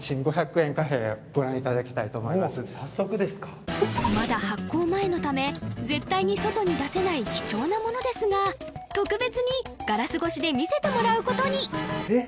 もう早速ですかまだ発行前のため絶対に外に出せない貴重なものですが特別にガラス越しで見せてもらうことにえっ